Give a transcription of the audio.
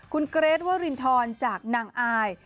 คุณเกรทวรินทรจากนางอาย